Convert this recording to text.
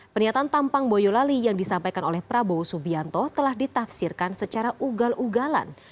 pernyataan tampang boyolali yang disampaikan oleh prabowo subianto telah ditafsirkan secara ugal ugalan